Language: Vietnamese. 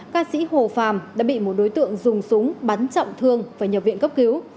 ca sĩ hồ pham đã bị một đối tượng dùng súng bắn trọng thương và nhập viện cấp cứu